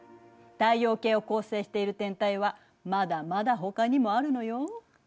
太陽系を構成している天体はまだまだほかにもあるのよ。